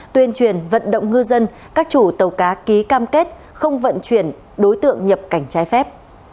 tuyên truyền vận động ngư dân các chủ tàu cá ký cam kết không vận chuyển đối tượng nhập cảnh trái phép